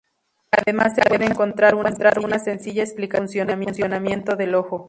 Además se puede encontrar una sencilla explicación del funcionamiento del ojo.